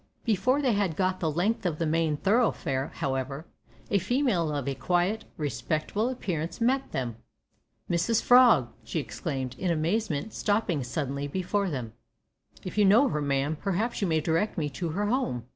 Before they had got the length of the main thoroughfare, however, a female of a quiet, respectable appearance met them. "Mrs Frog!" she exclaimed, in amazement, stopping suddenly before them. "If you know her, ma'am, perhaps you may direct me to her home."